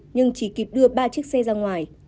nhưng chỉ kịp đưa ba chiếc xe ra ngoài